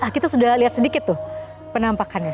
kita sudah lihat sedikit tuh penampakannya